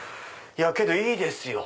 けどいいですよ！